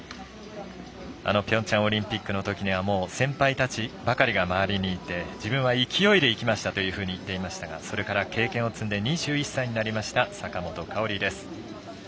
ピョンチャンオリンピックのときには先輩たちばかりが周りにいて自分は勢いでいきましたというふうに言っていましたがそれから経験を積んで２１歳になりました坂本花織です。